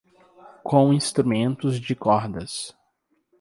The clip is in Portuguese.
Com instrumentos de cordas.